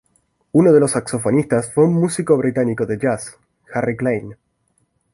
Uno de los saxofonistas fue un músico británico de jazz, Harry Klein.